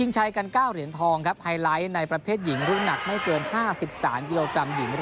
เชียงไฟมีภาษาเยียร์